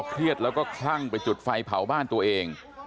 เครียดแล้วก็คลั่งไปจุดไฟเผาบ้านตัวเอง